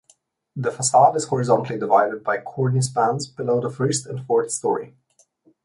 The facade is horizontally divided by cornice bands below the first and fourth storey.